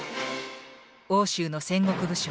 奥州の戦国武将